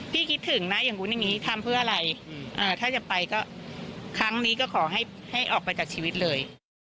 คิดถึงนะอย่างนู้นอย่างนี้ทำเพื่ออะไรถ้าจะไปก็ครั้งนี้ก็ขอให้ออกไปจากชีวิตเลย